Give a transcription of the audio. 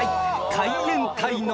海援隊の］